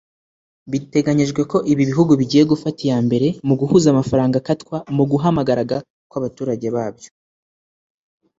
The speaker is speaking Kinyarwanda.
Biteganyijwe ko ibi bihugu bigiye gufata iya mbere mu guhuza amafaranga akatwa mu guhamagaraga kw’abaturage babyo